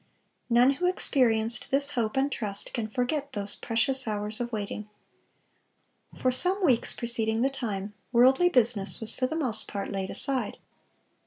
None who experienced this hope and trust can forget those precious hours of waiting. For some weeks preceding the time, worldly business was for the most part laid aside.